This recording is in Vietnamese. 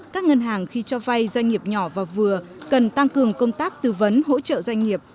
các ngân hàng khi cho vay doanh nghiệp nhỏ và vừa cần tăng cường công tác tư vấn hỗ trợ doanh nghiệp